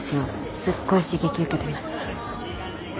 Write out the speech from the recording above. すっごい刺激受けてます。